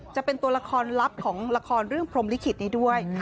จะเป็นตัวละครลับของละครเรื่องพรมลิขิตนี้ด้วย